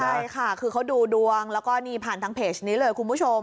ใช่ค่ะคือเขาดูดวงแล้วก็นี่ผ่านทางเพจนี้เลยคุณผู้ชม